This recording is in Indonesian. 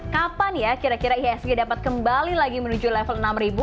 kapan ya kira kira ihsg dapat kembali lagi menuju level enam ribu